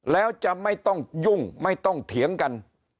แล้วจะไม่ต้องยุ่งไม่ต้องเถียงกัน